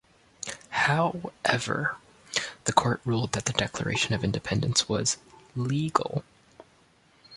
However, the Court ruled that the declaration of independence was legal.